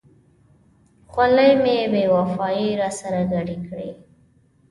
خولۍ مې بې وفایي را سره کړې وه.